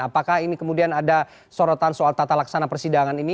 apakah ini kemudian ada sorotan soal tata laksana persidangan ini